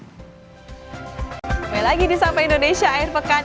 kembali lagi di sapa indonesia akhir pekan